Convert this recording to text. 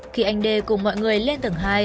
khi anh dê cùng mọi người lên tầng hai